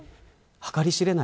計り知れない